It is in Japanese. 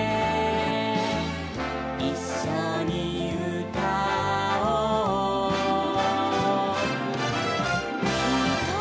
「いっしょにうたおう」「ひとりぼっちじゃ」